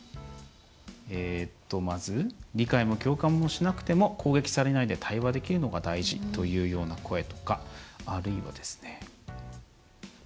まず「理解も共感もしなくても攻撃されないで対話できるのが大事」というような声とかあるいはですね